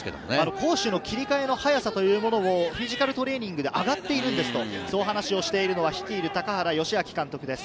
攻守の切り替えの速さというのフィジカルトレーニングで上がっているんですと話をしているのは率いる高原良明監督です。